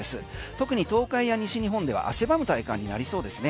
特に東海や西日本では汗ばむ体感になりそうですね。